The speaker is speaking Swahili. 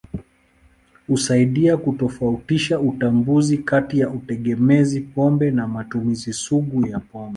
Husaidia kutofautisha utambuzi kati ya utegemezi pombe na matumizi sugu ya pombe.